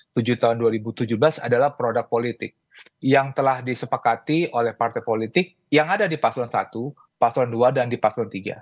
tujuh tahun dua ribu tujuh belas adalah produk politik yang telah disepakati oleh partai politik yang ada di paslon satu paslon dua dan di paslon tiga